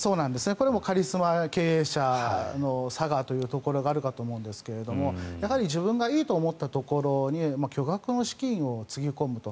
これもカリスマ経営者のさがというところがあるかと思うんですが自分がいいと思ったところに巨額の資金をつぎ込むと。